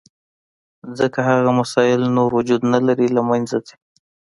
ځکه هغه مسایل نور وجود نه لري، له منځه ځي.